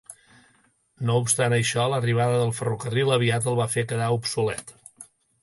No obstant això, l'arribada del ferrocarril aviat el va fer quedar obsolet.